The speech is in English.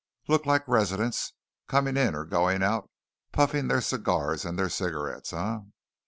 "Look like residents, coming in or going out, puffing their cigars and their cigarettes, eh?